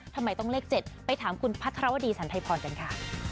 ทำไมต้องเลข๗ไปถามคุณพัทรวดีสันไทยพรกันค่ะ